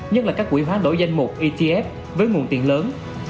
nhất là các quỹ hoán đổi danh mục etf với nguồn tiền lớn